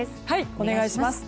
お願いします。